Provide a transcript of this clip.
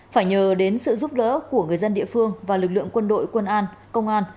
phải nhờ đến sự giúp đỡ của người dân địa phương và lực lượng quân đội quân an công an